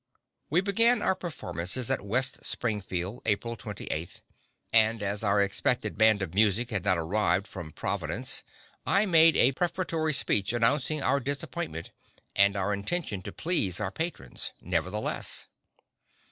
We began our performances at West Springfield, April 28th, and as our expected band of music had not arrived from Providence, I made a prefatory speech announcing our disappointment, and our intention to please our patrons, nevertheless.